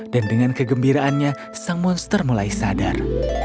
dan dengan kegembiraannya sang monster mulai sadar